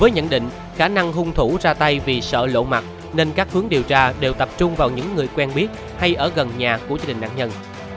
nhận định khả năng hung thủ ra tay vì sợ lộ mặt nên các hướng điều tra đều tập trung vào những người quen biết hay ở gần nhà của gia đình nạn nhân